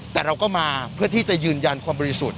แต่เราก็มาเพื่อที่จะยืนยันความบริสุทธิ์